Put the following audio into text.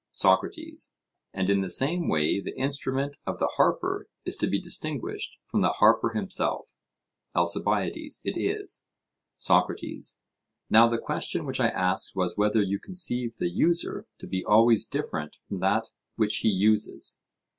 SOCRATES: And in the same way the instrument of the harper is to be distinguished from the harper himself? ALCIBIADES: It is. SOCRATES: Now the question which I asked was whether you conceive the user to be always different from that which he uses?